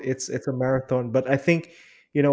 ini merata tapi saya pikir